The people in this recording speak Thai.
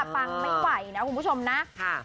ฟังไม่ไหวนะคุณผู้ชมนะ